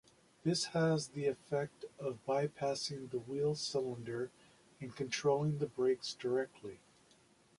This has the effect of bypassing the wheel cylinder and controlling the brakes directly.